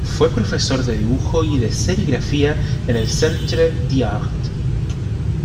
Fue profesor de dibujo y serigrafía en el Centre d'Art.